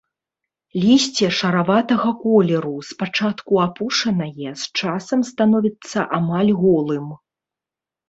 Лісце шараватага колеру, спачатку апушанае, з часам становіцца амаль голым.